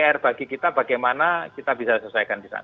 pr bagi kita bagaimana kita bisa selesaikan di sana